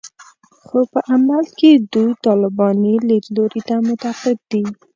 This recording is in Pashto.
خو په عمل کې دوی طالباني لیدلوري ته معتقد دي